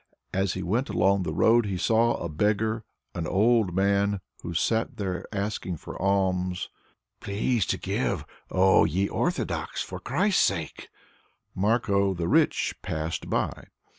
As he went along the road he saw a beggar an old man, who sat there asking for alms "Please to give, O ye Orthodox, for Christ's sake!" Marko the Rich passed by.